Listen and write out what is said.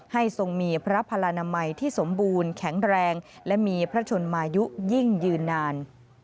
ทรงมีพระพลนามัยที่สมบูรณ์แข็งแรงและมีพระชนมายุยิ่งยืนนาน